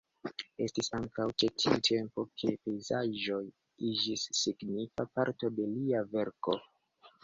Estis ankaŭ ĉe tiu tempo ke pejzaĝoj iĝis signifa parto de lia verko.